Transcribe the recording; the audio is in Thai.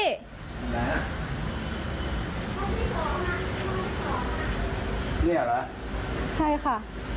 นี่เหรอใช่ค่ะ